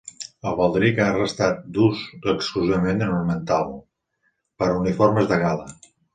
El baldric ha restat d'ús exclusivament ornamental, per a uniformes de gala.